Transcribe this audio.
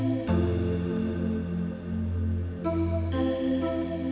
apa dengan saya sih